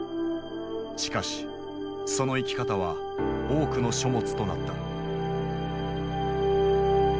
しかしその生き方は多くの書物となった。